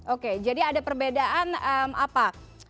oke jadi ada perbedaan apa